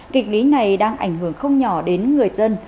kịch lý này đang ảnh hưởng không nhỏ đến người dân